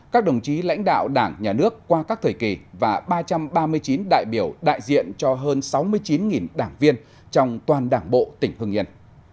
các đồng chí lãnh đạo đảng nhà nước qua các thời kỳ và ba trăm ba mươi chín đại biểu đại diện cho hơn sáu mươi chín đảng viên trong toàn đảng bộ tỉnh hưng yên